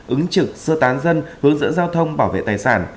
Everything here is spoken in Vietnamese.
ứng trực sơ tán dân hướng dẫn giao thông bảo vệ tài sản